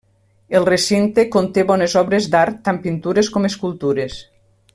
El recinte conté bones obres d'art tant pintures com escultures.